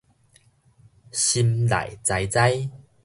心內知知